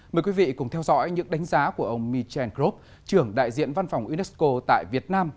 mời quý vị cùng theo dõi những đánh giá của ông michel krop trưởng đại diện văn phòng unesco tại việt nam